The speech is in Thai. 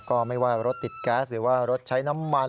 ก็ไม่ว่ารถติดแก๊สหรือว่ารถใช้น้ำมัน